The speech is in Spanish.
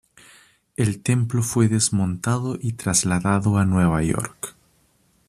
El templo fue desmontado y trasladado a Nueva York.